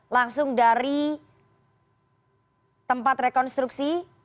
langsung dari tempat rekonstruksi